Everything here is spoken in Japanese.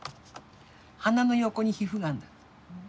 鼻の横に皮膚がんだって。